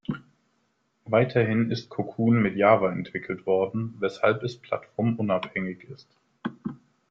Weiterhin ist Cocoon mit Java entwickelt worden, weshalb es plattformunabhängig ist.